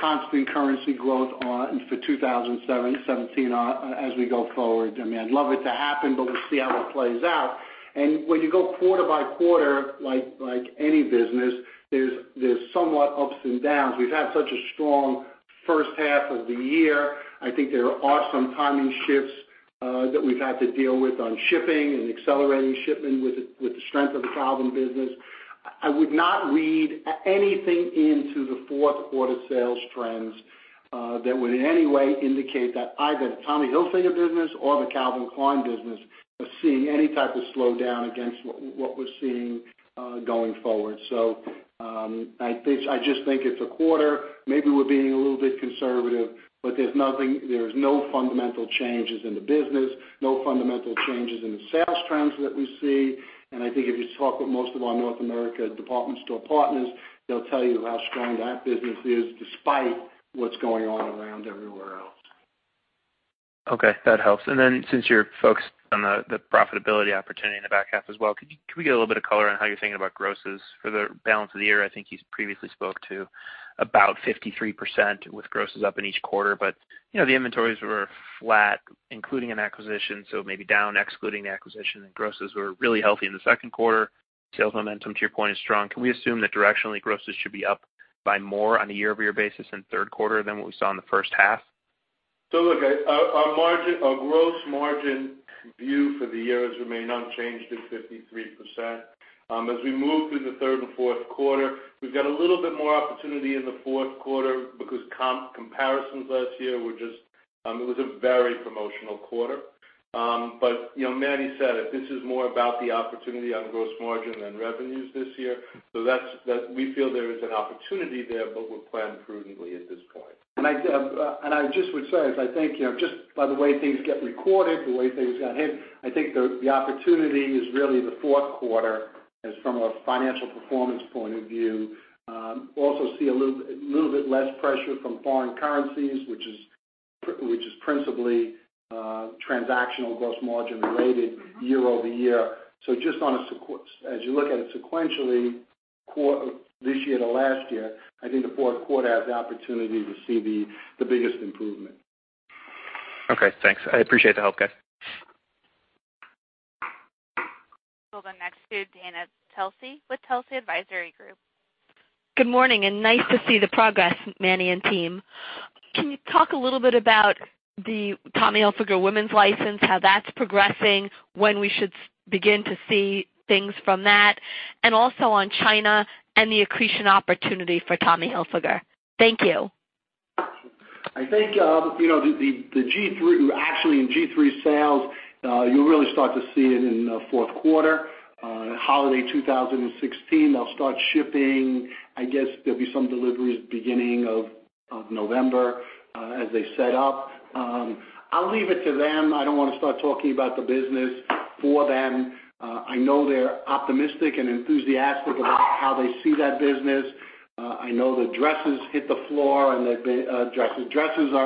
constant currency growth for 2017 as we go forward. I'd love it to happen, but we'll see how it plays out. When you go quarter by quarter, like any business, there's somewhat ups and downs. We've had such a strong first half of the year. I think there are some timing shifts that we've had to deal with on shipping and accelerating shipping with the strength of the Calvin business. I would not read anything into the fourth quarter sales trends that would in any way indicate that either Tommy Hilfiger business or the Calvin Klein business are seeing any type of slowdown against what we're seeing going forward. I just think it's a quarter. Maybe we're being a little bit conservative, but there's no fundamental changes in the business, no fundamental changes in the sales trends that we see. I think if you talk with most of our North America department store partners, they'll tell you how strong that business is despite what's going on around everywhere else. Okay, that helps. Then since you're focused on the profitability opportunity in the back half as well, could we get a little bit of color on how you're thinking about grosses for the balance of the year? I think you previously spoke to about 53% with grosses up in each quarter. The inventories were flat, including an acquisition. Maybe down excluding the acquisition, and grosses were really healthy in the second quarter. Sales momentum, to your point, is strong. Can we assume that directionally grosses should be up by more on a year-over-year basis in the third quarter than what we saw in the first half? Look, our gross margin view for the year has remained unchanged at 53%. As we move through the third and fourth quarter, we've got a little bit more opportunity in the fourth quarter because comparisons last year were just. It was a very promotional quarter. Manny said it, this is more about the opportunity on gross margin than revenues this year. We feel there is an opportunity there, but we'll plan prudently at this point. I just would say is I think, just by the way things get recorded, the way things got hit, I think the opportunity is really the fourth quarter as from a financial performance point of view. Also see a little bit less pressure from foreign currencies, which is principally transactional gross margin related year-over-year. Just as you look at it sequentially this year to last year, I think the fourth quarter has the opportunity to see the biggest improvement. Okay, thanks. I appreciate the help, guys. We'll go next to Dana Telsey with Telsey Advisory Group. Good morning, nice to see the progress, Manny and team. Can you talk a little bit about the Tommy Hilfiger women's license, how that's progressing, when we should begin to see things from that? Also on China and the accretion opportunity for Tommy Hilfiger. Thank you. I think, actually in G-III sales, you'll really start to see it in the fourth quarter. Holiday 2016, they'll start shipping. I guess there'll be some deliveries beginning of November as they set up. I'll leave it to them. I don't want to start talking about the business for them. I know they're optimistic and enthusiastic about how they see that business. I know the dresses are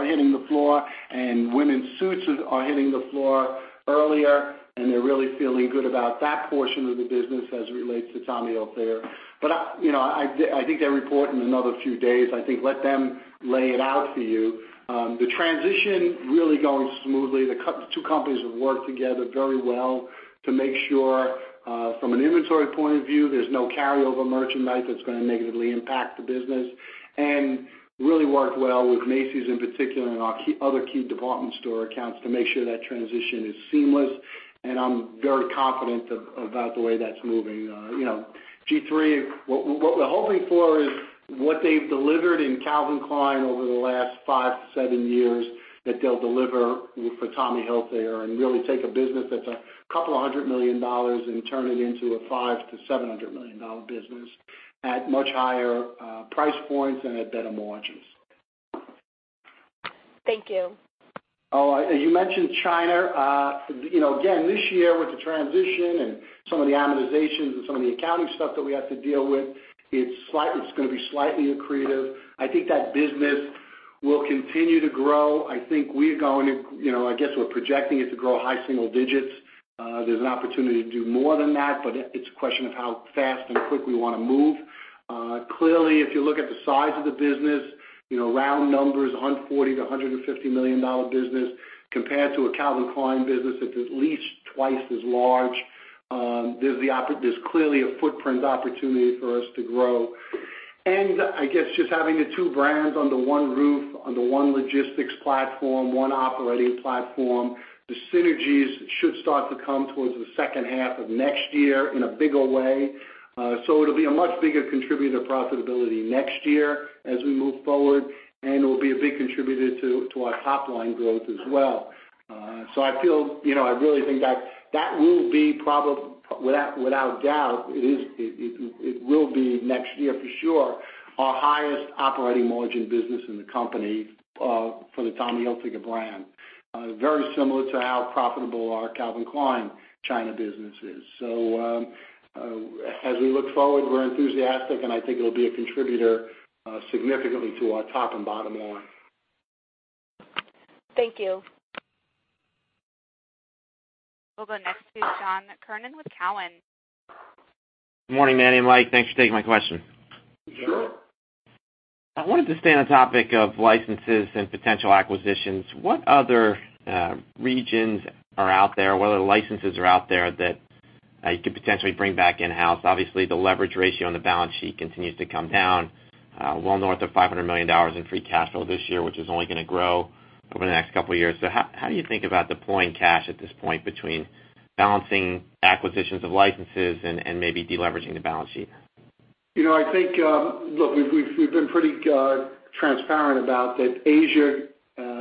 hitting the floor, and women's suits are hitting the floor earlier, and they're really feeling good about that portion of the business as it relates to Tommy Hilfiger. I think they report in another few days. I think let them lay it out for you. The transition really going smoothly. The two companies have worked together very well to make sure, from an inventory point of view, there's no carryover merchandise that's going to negatively impact the business, and really worked well with Macy's in particular and our other key department store accounts to make sure that transition is seamless, and I'm very confident about the way that's moving. G-III, what we're hoping for is what they've delivered in Calvin Klein over the last five to seven years, that they'll deliver for Tommy Hilfiger and really take a business that's a couple of hundred million dollars and turn it into a $500 million-$700 million business. At much higher price points and at better margins. Thank you. All right. As you mentioned, China, again, this year with the transition and some of the amortizations and some of the accounting stuff that we have to deal with, it's going to be slightly accretive. I think that business will continue to grow. I guess we're projecting it to grow high single digits. There's an opportunity to do more than that, but it's a question of how fast and quick we want to move. Clearly, if you look at the size of the business, round numbers, $140 million-$150 million business compared to a Calvin Klein business that's at least twice as large. There's clearly a footprint opportunity for us to grow. I guess just having the two brands under one roof, under one logistics platform, one operating platform, the synergies should start to come towards the second half of next year in a bigger way. It'll be a much bigger contributor profitability next year as we move forward, and it'll be a big contributor to our top-line growth as well. I really think that that will be probably, without doubt, it will be next year for sure, our highest operating margin business in the company, for the Tommy Hilfiger brand. Very similar to how profitable our Calvin Klein China business is. As we look forward, we're enthusiastic, and I think it'll be a contributor significantly to our top and bottom line. Thank you. We'll go next to John Kernan with Cowen. Morning, Manny and Mike, thanks for taking my question. Sure. I wanted to stay on the topic of licenses and potential acquisitions. What other regions are out there? What other licenses are out there that you could potentially bring back in-house? Obviously, the leverage ratio on the balance sheet continues to come down, well north of $500 million in free cash flow this year, which is only going to grow over the next couple of years. How do you think about deploying cash at this point between balancing acquisitions of licenses and maybe de-leveraging the balance sheet? I think, look, we've been pretty transparent about that Asia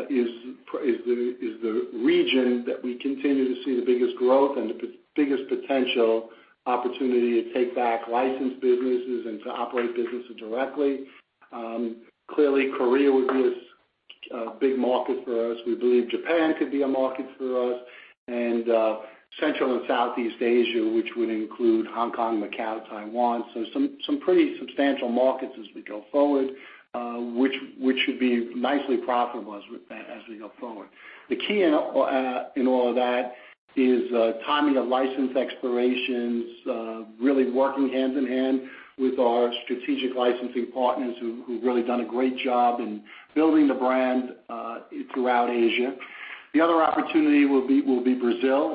is the region that we continue to see the biggest growth and the biggest potential opportunity to take back licensed businesses and to operate businesses directly. Clearly, Korea would be a big market for us. We believe Japan could be a market for us and Central and Southeast Asia, which would include Hong Kong, Macau, Taiwan. Some pretty substantial markets as we go forward, which should be nicely profitable as we go forward. The key in all of that is timing of license expirations, really working hand in hand with our strategic licensing partners who've really done a great job in building the brand throughout Asia. The other opportunity will be Brazil.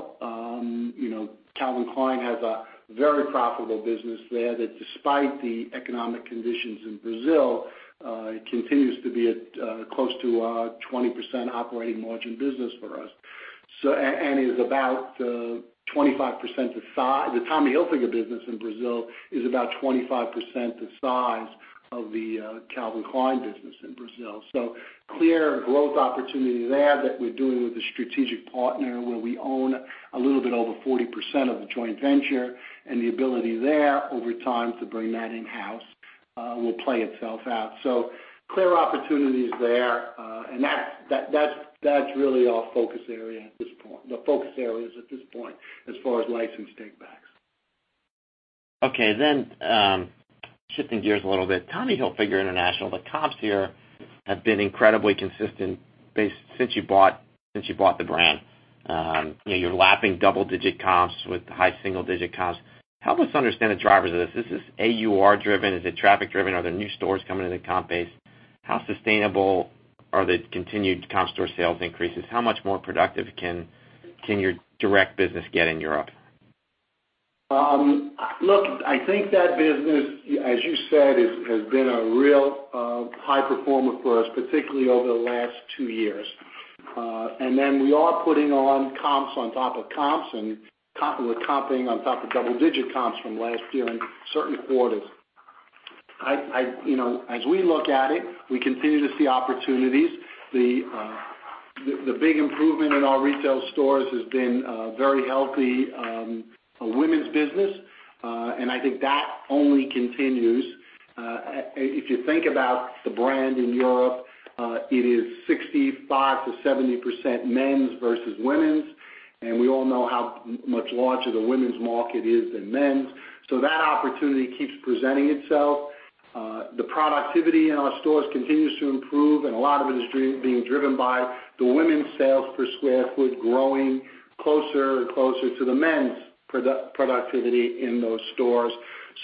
Calvin Klein has a very profitable business there that despite the economic conditions in Brazil, it continues to be at close to a 20% operating margin business for us. The Tommy Hilfiger business in Brazil is about 25% the size of the Calvin Klein business in Brazil. Clear growth opportunity there that we're doing with a strategic partner where we own a little bit over 40% of the joint venture, and the ability there over time to bring that in-house will play itself out. Clear opportunities there. That's really our focus area at this point, the focus areas at this point as far as license take backs. Shifting gears a little bit. Tommy Hilfiger International, the comps here have been incredibly consistent since you bought the brand. You're lapping double-digit comps with high single-digit comps. Help us understand the drivers of this. Is this AUR driven? Is it traffic driven? Are there new stores coming into the comp base? How sustainable are the continued comp store sales increases? How much more productive can your direct business get in Europe? Look, I think that business, as you said, has been a real high performer for us, particularly over the last 2 years. We are putting on comps on top of comps and we're comping on top of double-digit comps from last year in certain quarters. As we look at it, we continue to see opportunities. The big improvement in our retail stores has been a very healthy women's business. I think that only continues. If you think about the brand in Europe, it is 65%-70% men's versus women's, and we all know how much larger the women's market is than men's. That opportunity keeps presenting itself. The productivity in our stores continues to improve, and a lot of it is being driven by the women's sales per square foot growing closer and closer to the men's productivity in those stores.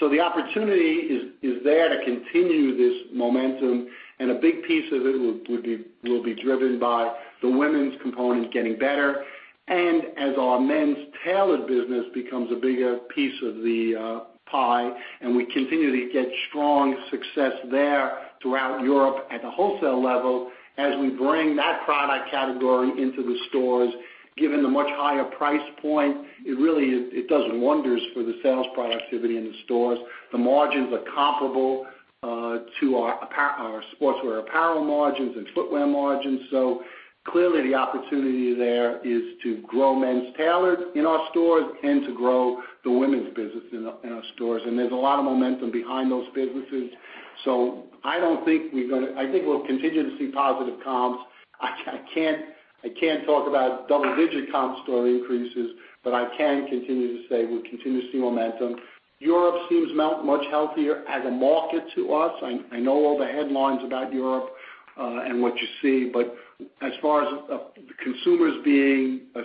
The opportunity is there to continue this momentum, a big piece of it will be driven by the women's component getting better. As our men's tailored business becomes a bigger piece of the pie, we continue to get strong success there throughout Europe at the wholesale level, as we bring that product category into the stores, given the much higher price point, it does wonders for the sales productivity in the stores. The margins are comparable to our sportswear apparel margins and footwear margins. Clearly the opportunity there is to grow men's tailored in our stores and to grow the women's business in our stores, there's a lot of momentum behind those businesses. I think we'll continue to see positive comps. I can't talk about double-digit comp store increases, but I can continue to say we continue to see momentum. Europe seems much healthier as a market to us. I know all the headlines about Europe, and what you see, as far as the consumers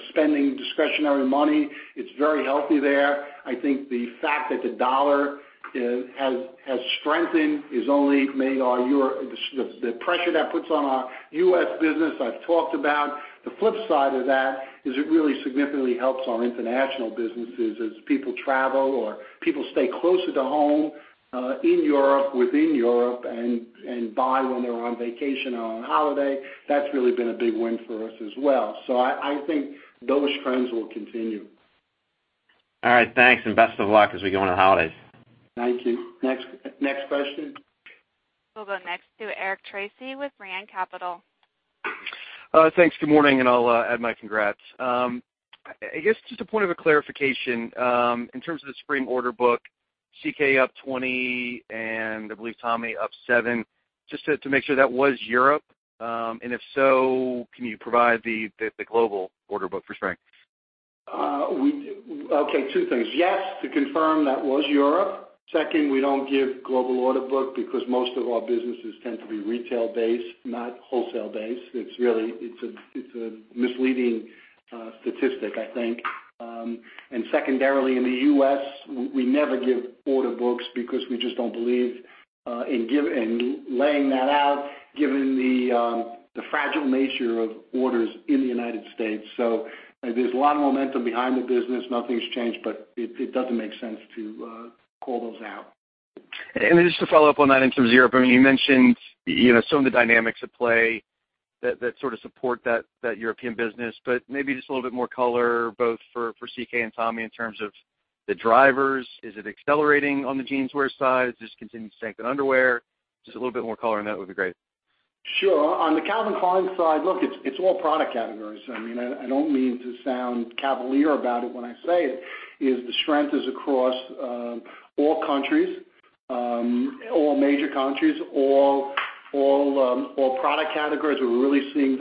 spending discretionary money, it's very healthy there. I think the fact that the dollar has strengthened has only made the pressure that puts on our U.S. business, I've talked about. The flip side of that is it really significantly helps our international businesses as people travel or people stay closer to home, in Europe, within Europe, buy when they're on vacation or on holiday. That's really been a big win for us as well. I think those trends will continue. All right, thanks, best of luck as we go into the holidays. Thank you. Next question. We'll go next to Eric Tracy with Brean Capital. Thanks. Good morning. I'll add my congrats. I guess just a point of a clarification, in terms of the spring order book, CK up 20 and I believe Tommy up seven. Just to make sure that was Europe. If so, can you provide the global order book for spring? Okay, two things. Yes, to confirm that was Europe. Second, we don't give global order book because most of our businesses tend to be retail-based, not wholesale-based. It's a misleading statistic, I think. Secondarily, in the U.S., we never give order books because we just don't believe in laying that out, given the fragile nature of orders in the United States. There's a lot of momentum behind the business. Nothing's changed, but it doesn't make sense to call those out. Just to follow up on that in terms of Europe, you mentioned some of the dynamics at play that sort of support that European business, but maybe just a little bit more color, both for CK and Tommy, in terms of the drivers. Is it accelerating on the jeanswear side? Just continued strength in underwear? Just a little bit more color on that would be great. Sure. On the Calvin Klein side, look, it's all product categories. I don't mean to sound cavalier about it when I say it, is the strength is across all countries, all major countries, all product categories. We're really seeing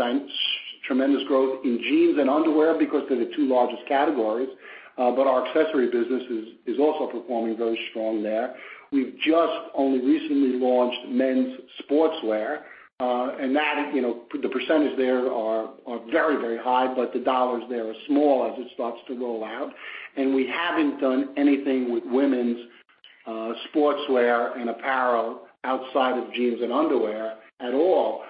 tremendous growth in jeans and underwear because they're the two largest categories. Our accessory business is also performing very strong there. We've just only recently launched men's sportswear. The percentage there are very high, but the dollars there are small as it starts to roll out. We haven't done anything with women's sportswear and apparel outside of jeans and underwear at all.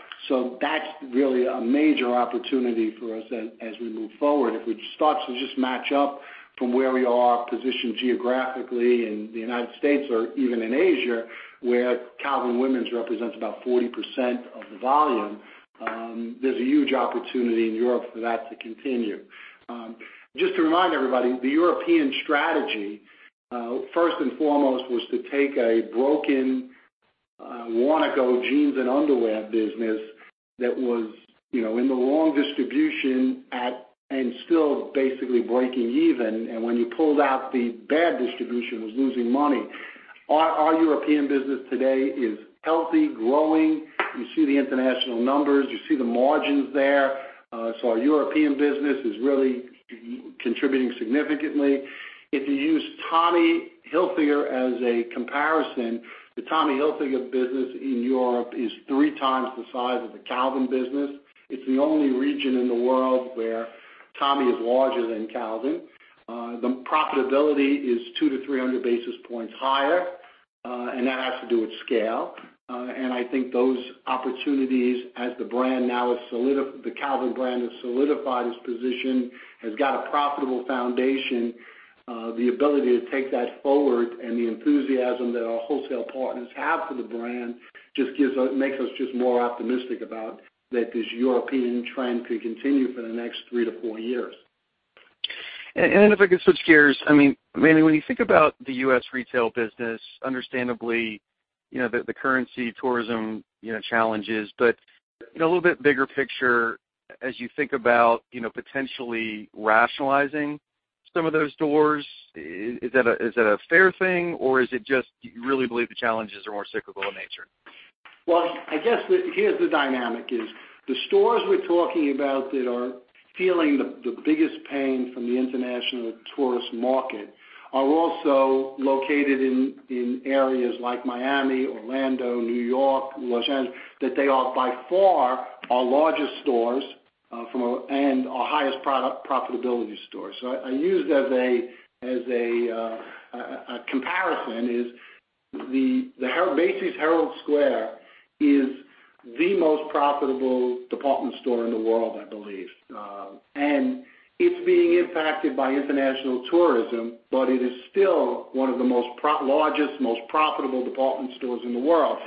That's really a major opportunity for us as we move forward. If we start to just match up from where we are positioned geographically in the U.S. or even in Asia, where Calvin women's represents about 40% of the volume, there's a huge opportunity in Europe for that to continue. Just to remind everybody, the European strategy, first and foremost, was to take a broken Warnaco jeans and underwear business that was in the wrong distribution and still basically breaking even, and when you pulled out the bad distribution was losing money. Our European business today is healthy, growing. You see the international numbers, you see the margins there. Our European business is really contributing significantly. If you use Tommy Hilfiger as a comparison, the Tommy Hilfiger business in Europe is three times the size of the Calvin business. It's the only region in the world where Tommy is larger than Calvin. The profitability is 200 to 300 basis points higher, that has to do with scale. I think those opportunities as the Calvin brand has solidified its position, has got a profitable foundation, the ability to take that forward and the enthusiasm that our wholesale partners have for the brand just makes us just more optimistic about that this European trend could continue for the next three to four years. If I could switch gears. Manny, when you think about the U.S. retail business, understandably, the currency tourism challenges. A little bit bigger picture as you think about potentially rationalizing some of those stores. Is that a fair thing, or is it just you really believe the challenges are more cyclical in nature? Well, I guess here the dynamic is the stores we're talking about that are feeling the biggest pain from the international tourist market are also located in areas like Miami, Orlando, New York, Los Angeles, that they are by far our largest stores and our highest profitability stores. I use as a comparison is Macy's Herald Square is the most profitable department store in the world, I believe. It's being impacted by international tourism, it is still one of the largest, most profitable department stores in the world.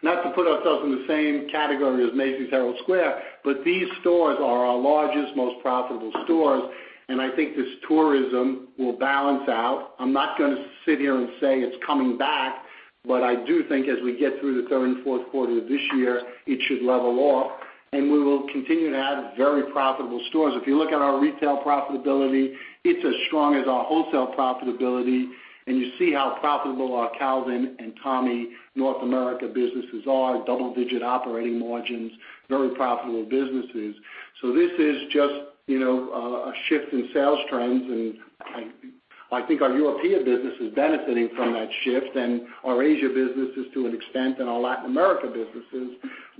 Not to put ourselves in the same category as Macy's Herald Square, these stores are our largest, most profitable stores, and I think this tourism will balance out. I'm not going to sit here and say it's coming back. I do think as we get through the third and fourth quarter of this year, it should level off, and we will continue to add very profitable stores. If you look at our retail profitability, it's as strong as our wholesale profitability, and you see how profitable our Calvin and Tommy North America businesses are, double-digit operating margins, very profitable businesses. This is just a shift in sales trends, and I think our European business is benefiting from that shift and our Asia business is to an extent, and our Latin America business is,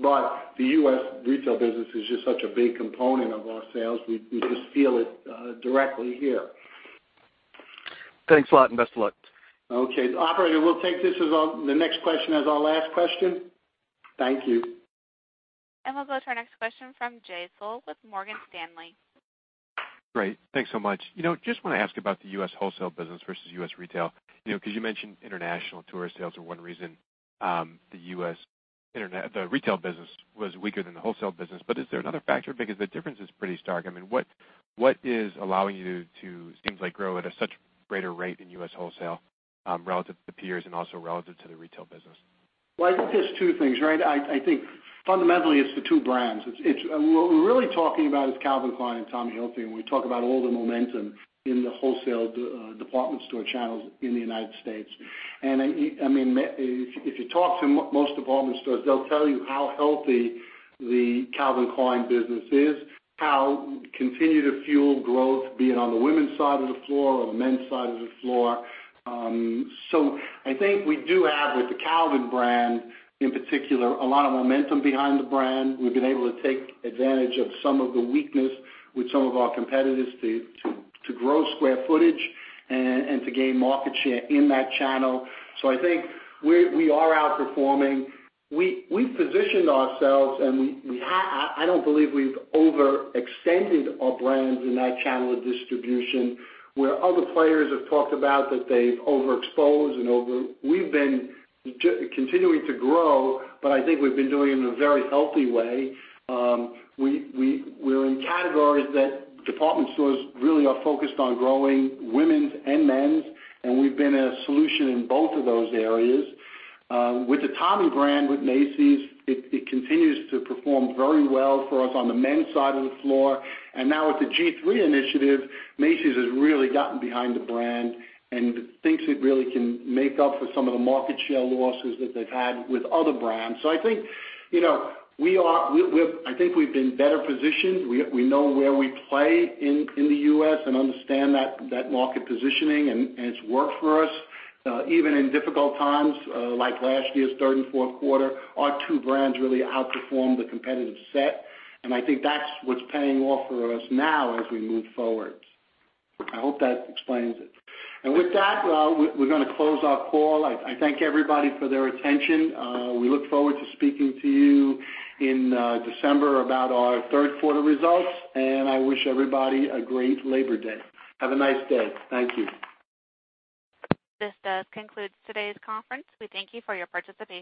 but the U.S. retail business is just such a big component of our sales. We just feel it directly here. Thanks a lot, and best of luck. Okay. Operator, we'll take the next question as our last question. Thank you. We'll go to our next question from Jay Sole with Morgan Stanley. Great. Thanks so much. Just want to ask about the U.S. wholesale business versus U.S. retail, because you mentioned international tourist sales are one reason the retail business was weaker than the wholesale business. Is there another factor? Because the difference is pretty stark. I mean, what is allowing you to, it seems like, grow at a much greater rate in U.S. wholesale relative to peers and also relative to the retail business? Well, I think it's two things, right? I think fundamentally it's the two brands. What we're really talking about is Calvin Klein and Tommy Hilfiger when we talk about all the momentum in the wholesale department store channels in the United States. If you talk to most department stores, they'll tell you how healthy the Calvin Klein business is, how it continued to fuel growth, be it on the women's side of the floor or the men's side of the floor. I think we do have, with the Calvin brand in particular, a lot of momentum behind the brand. We've been able to take advantage of some of the weakness with some of our competitors to grow square footage and to gain market share in that channel. I think we are outperforming. We've positioned ourselves. I don't believe we've overextended our brands in that channel of distribution, where other players have talked about that they've overexposed. We've been continuing to grow. I think we've been doing it in a very healthy way. We're in categories that department stores really are focused on growing, women's and men's. We've been a solution in both of those areas. With the Tommy brand, with Macy's, it continues to perform very well for us on the men's side of the floor. Now with the G-III initiative, Macy's has really gotten behind the brand and thinks it really can make up for some of the market share losses that they've had with other brands. I think we've been better positioned. We know where we play in the U.S. and understand that market positioning. It's worked for us. Even in difficult times like last year's third and fourth quarter, our two brands really outperformed the competitive set. I think that's what's paying off for us now as we move forward. I hope that explains it. With that, we're going to close our call. I thank everybody for their attention. We look forward to speaking to you in December about our third quarter results. I wish everybody a great Labor Day. Have a nice day. Thank you. This does conclude today's conference. We thank you for your participation.